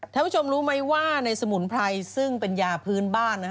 ท่านผู้ชมรู้ไหมว่าในสมุนไพรซึ่งเป็นยาพื้นบ้าน